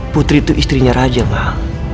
putri itu istrinya raja mah